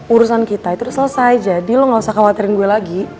urusan kita itu selesai jadi lo gak usah khawatirin gue lagi